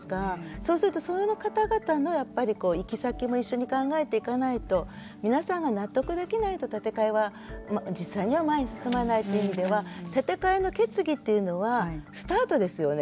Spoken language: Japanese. そうするとその方々のやっぱり行き先も一緒に考えていかないと皆さんが納得できないと建て替えは実際には前に進まないという意味では建て替えの決議っていうのはスタートですよね